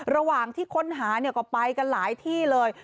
ระหว่างที่ค้นหาก็ไปกันหลายที่เลย